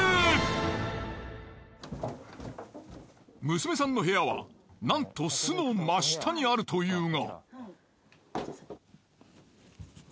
娘さんの部屋はなんと巣の真下にあるというが。